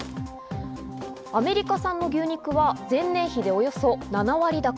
アメリカ産の牛肉は前年比でおよそ７割高。